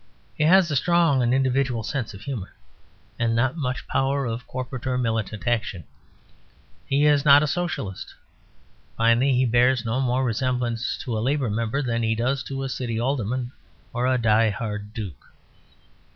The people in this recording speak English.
He has a strong and individual sense of humour, and not much power of corporate or militant action. He is not a Socialist. Finally, he bears no more resemblance to a Labour Member than he does to a City Alderman or a Die Hard Duke.